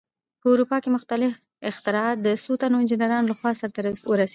په اروپا کې مختلف اختراعات د څو تنو انجینرانو لخوا سرته ورسېدل.